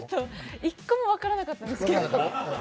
一個も分からなかったんですけど。